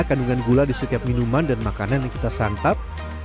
kandungan gula di setiap minuman dan makanan yang kita santap